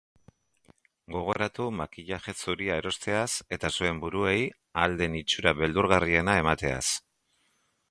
Gogoratu makillaje zuria erosteaz eta zuen buruei ahal den itxura beldurgarriena emateaz.